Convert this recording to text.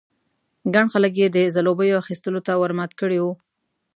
ګڼ خلک یې د ځلوبیو اخيستلو ته ور مات کړي وو.